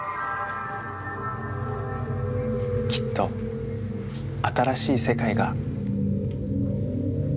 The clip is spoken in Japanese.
きっと新しい世界が。